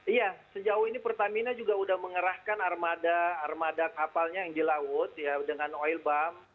iya sejauh ini pertamina juga sudah mengerahkan armada kapalnya yang di laut dengan oil bom